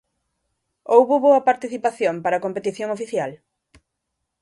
Houbo boa participación para a competición oficial?